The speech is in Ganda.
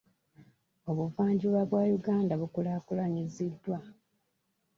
Obuvanjuba bwa Uganda bukulaakulanyiziddwa.